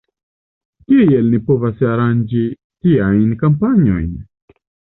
Kiel ni povos aranĝi tiajn kampanjojn?